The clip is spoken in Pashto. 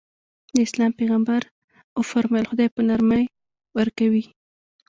د اسلام پيغمبر ص وفرمايل خدای په نرمي ورکوي.